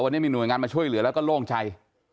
วันนี้มีหน่วยงานมาช่วยเหลือแล้วก็โล่งใจ